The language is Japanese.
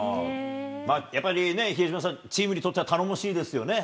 やっぱりね、比江島さん、チームにとっては頼もしいですよね。